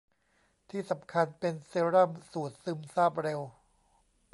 ที่สำคัญเป็นเซรั่มสูตรซึมซาบเร็ว